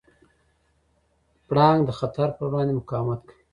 پړانګ د خطر پر وړاندې مقاومت کوي.